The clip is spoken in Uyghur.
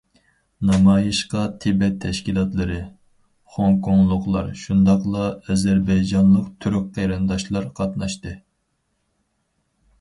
نامايىشقا تىبەت تەشكىلاتلىرى، خوڭكوڭلۇقلار شۇنداقلا ئەزەربەيجانلىق تۈرك قېرىنداشلار قاتناشتى.